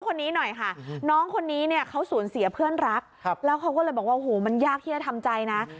คนนี้หน่อยค่ะน้องคนนี้เนี่ยเขาสูญเสียเพื่อนรักแล้วเขาก็เลยบอกว่าโอ้โหมันยากที่จะทำใจนะ